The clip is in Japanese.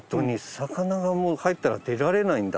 魚が入ったら出られないんだ。